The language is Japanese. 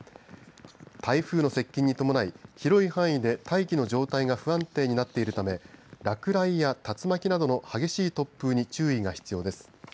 台風の接近に伴い、広い範囲で大気の状態が不安になってるため落雷や竜巻などの激しい突風に注意が必要です。